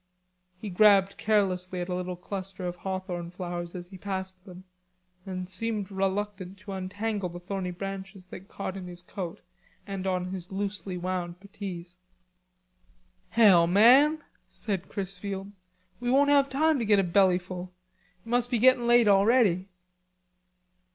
He grabbed carelessly at little cluster of hawthorn flowers as he passed them, and seemed reluctant to untangle the thorny branches that caught in his coat and on his loosely wound puttees. "Hell, man," said Chrisfield, "we won't have time to get a bellyful. It must be gettin' late already."